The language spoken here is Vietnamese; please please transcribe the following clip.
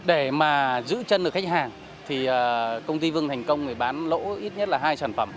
để mà giữ chân được khách hàng thì công ty vương thành công thì bán lỗ ít nhất là hai sản phẩm